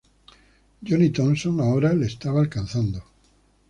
Johnny Thomson ahora le estaba alcanzando.